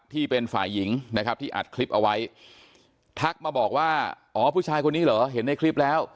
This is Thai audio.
ที่เป็นฝ่ายหญิงนะครับที่อัดคลิปเอาไว้ทักมาบอกว่าอ๋อผู้ชายคนนี้เหรอเห็นในคลิปแล้ว